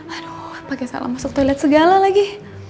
aduh pake salah masuk toilet segala lagi